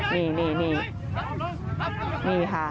นี่ค่ะ